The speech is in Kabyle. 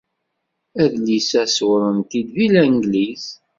Adlis-a sewren-t-id deg Langliz.